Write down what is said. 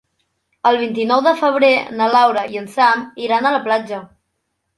El vint-i-nou de febrer na Laura i en Sam iran a la platja.